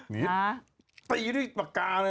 ตีพี่นี่ปากกาเลยนะ